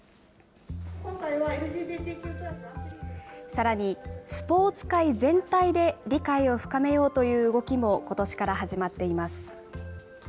さらにスポーツ界全体で理解を深めようという動きもことしから始まっています。